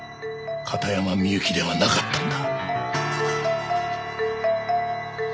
片山みゆきではなかったんだ。